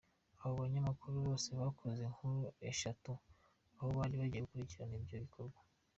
Abo banyamakuru bose bakoze inkuru eshatu aho bari bagiye gukurikirana ibyo bikorwa.